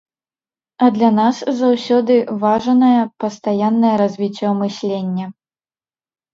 А для нас заўсёды важанае пастаяннае развіццё мыслення.